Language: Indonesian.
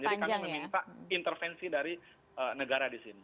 jadi kami meminta intervensi dari negara di sini